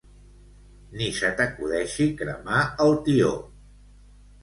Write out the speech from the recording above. Ni se t'acudeixi cremar el tió!